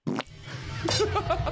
ハハハハハ！